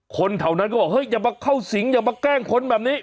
คนแถวนั้นก็บอกเฮ้ยอย่ามาเข้าสิงอย่ามาแกล้งคนแบบนี้